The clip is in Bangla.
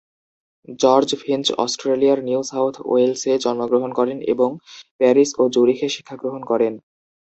জর্জ ফিঞ্চ অস্ট্রেলিয়ার নিউ সাউথ ওয়েলসে জন্মগ্রহণ করেন এবং প্যারিস ও জুরিখে শিক্ষা গ্রহণ করেন।